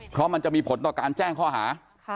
เพราะมันจะมีผลต่อการแจ้งข้อหา